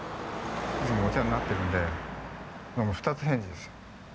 いつもお世話になってるのでもう二つ返事です。